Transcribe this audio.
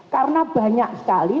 karena banyak sekali